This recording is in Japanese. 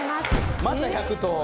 また１００投？